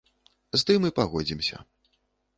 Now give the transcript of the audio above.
З тым і пагодзімся.